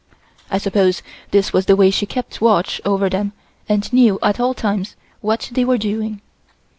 I suppose this was the way she kept watch over them and knew at all times what they were doing.